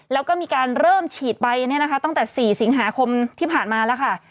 แล้วก็มีการเริ่มฉีดไปตั้งแต่๔สิงหาคมที่ผ่านมาแล้วค่ะ